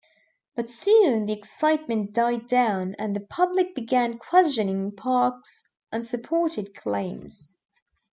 But soon the excitement died down, and the public began questioning Parkes' unsupported claims.